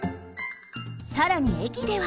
さらにえきでは。